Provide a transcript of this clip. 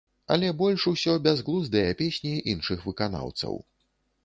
Але больш усё бязглуздыя песні іншых выканаўцаў.